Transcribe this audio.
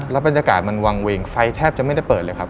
บรรยากาศมันวางเวงไฟแทบจะไม่ได้เปิดเลยครับ